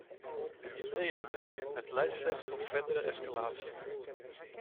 Integendeel, het leidt slechts tot verdere escalatie.